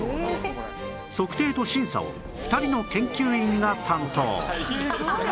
測定と審査を２人の研究員が担当